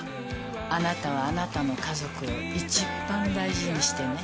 あなたはあなたの家族をいちばん大事にしてね。